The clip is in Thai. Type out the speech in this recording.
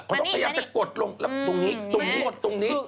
ตรงนี้